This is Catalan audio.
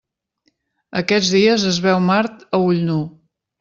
Aquests dies es veu Mart a ull nu.